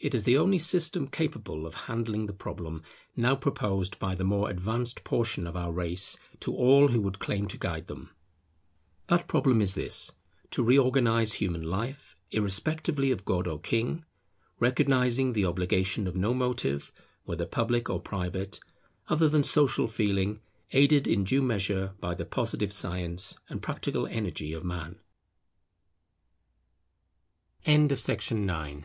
It is the only system capable of handling the problem now proposed by the more advanced portion of our race to all who would claim to guide them. That problem is this; to reorganize human life, irrespectively of god or king; recognizing the obligation of no motive, whether public or private, other than Social Feeling, aided in due measure by the positive science and practica